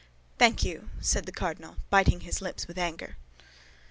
"Thank you," said the cardinal, biting his lips with anger.